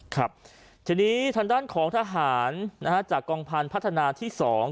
ครับทีนี้ทางด้านของทหารจากกองพันธ์พัฒนาที่๒